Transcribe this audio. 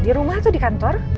di rumah atau di kantor